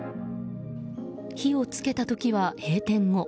火を付けた時は閉店後。